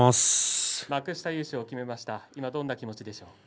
幕下優勝決めましたがどんな気持ちですか。